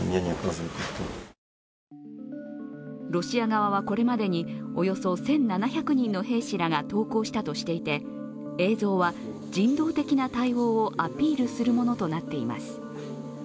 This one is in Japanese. ロシア側は、これまでにおよそ１７００人の兵士らが投降したとしていて、映像は人道的な対応をアピールするものとなっています。